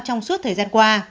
trong suốt thời gian qua